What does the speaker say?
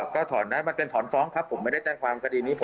ก็ถอนนะมันเป็นถอนฟ้องครับผมไม่ได้แจ้งความ